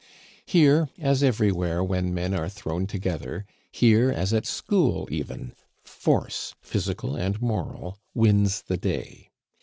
Here, as everywhere when men are thrown together, here, as at school even, force, physical and moral, wins the day.